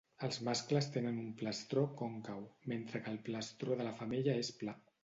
Els mascles tenen un plastró còncau, mentre que el plastró de la femella és pla.